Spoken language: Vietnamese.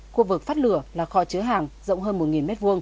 khu vực phát lửa là kho chứa hàng rộng hơn một m hai